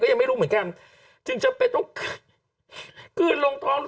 ยังไม่รู้เหมือนกันจึงจำเป็นต้องกลืนลงท้อง